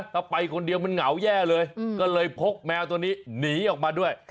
ถ้าไปคนเดียวมันเหงาแย่เลยก็เลยพกแมวตัวนี้หนีออกมาด้วย